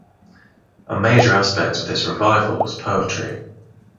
A major aspect of this revival was poetry.